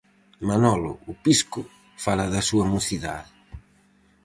Manolo 'O Pisco' fala da súa mocidade.